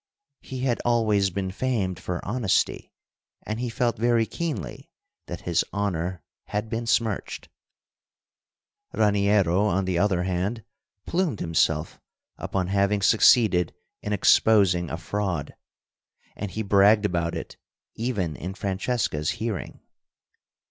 He had always been famed for honesty, and he felt very keenly that his honor had been smirched. Raniero, on the other hand, plumed himself upon having succeeded in exposing a fraud, and he bragged about it even in Francesca's hearing.